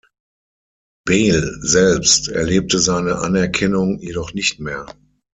Bayle selbst erlebte seine Anerkennung jedoch nicht mehr.